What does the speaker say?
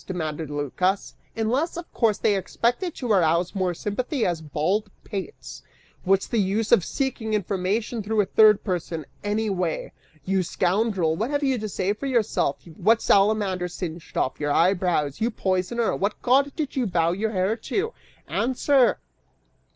demanded Lycas, "unless, of course, they expected to arouse more sympathy as bald pates. What's the use of seeking information through a third person, anyway? You scoundrel, what have you to say for yourself? What salamander singed off your eyebrows? You poisoner, what god did you vow your hair to? Answer!"